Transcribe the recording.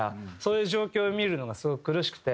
そういう状況を見るのがすごく苦しくて。